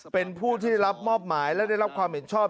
เป็นผู้ที่รับมอบหมายและได้รับความเห็นชอบ